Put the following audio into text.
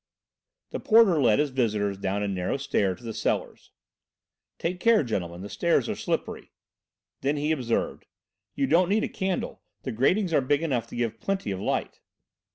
The porter led his visitors down a narrow stair to the cellars. "Take care, gentlemen, the stairs are slippery." Then he observed: "You don't need a candle, the gratings are big enough to give plenty of light."